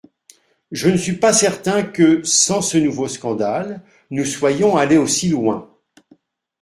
Je ne suis pas certain que, sans ce nouveau scandale, nous soyons allés aussi loin.